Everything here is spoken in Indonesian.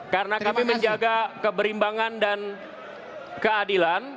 karena kami menjaga keberimbangan dan keadilan